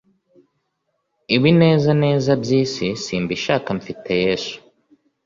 Ibinezaneza by’isi simbishaka mfite yesu